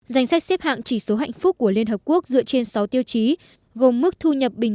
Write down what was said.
danh sách xếp hạng chỉ số hạnh phúc của liên hợp quốc dựa trên sáu tiêu chí gồm mức thu nhập bình